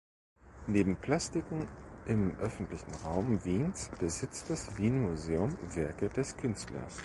Neben Plastiken im öffentlichen Raum Wiens besitzt das Wien Museum Werke des Künstlers.